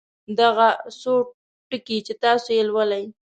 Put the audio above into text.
دغه څو ټکي چې تاسې یې لولئ.